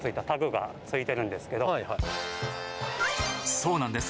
そうなんです